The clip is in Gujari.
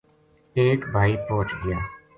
ایک بھائی پوہچ گیا